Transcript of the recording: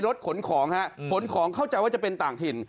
รถขนของฮะขนของเข้าใจว่าจะเป็นต่างถิ่น